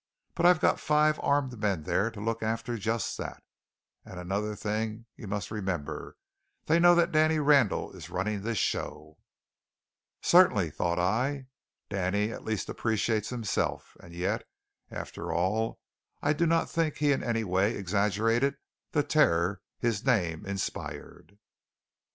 But I've got five armed men there to look after just that. And another thing you must remember: they know that Danny Randall is running this show." Certainly, thought I, Danny at least appreciates himself; and yet, after all, I do not think he in any way exaggerated the terror his name inspired.